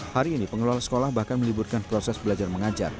hari ini pengelola sekolah bahkan meliburkan proses belajar mengajar